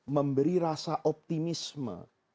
memberi rasa optimisme